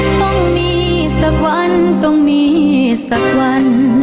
ต้องมีสักวันต้องมีสักวัน